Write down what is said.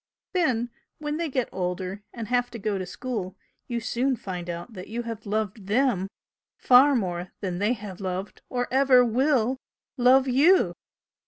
Then when they get older and have to go to school you soon find out that you have loved THEM far more than they have loved or ever WILL love YOU!"